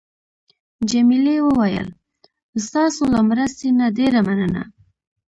جميلې وويل: ستاسو له مرستې نه ډېره مننه.